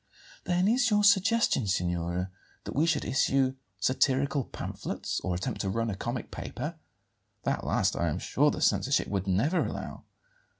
"Then is your suggestion, signora, that we should issue satirical pamphlets, or attempt to run a comic paper? That last, I am sure, the censorship would never allow."